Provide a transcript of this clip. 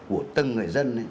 của tầng người dân